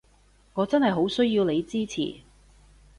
我真係好需要你支持